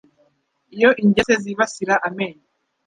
Iyo ingese zibasira amenyo